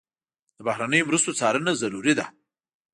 د بهرنیو مرستو څارنه ضروري ده.